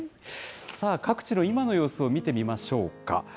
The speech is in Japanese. さあ、各地の今の様子を見てみましょうか。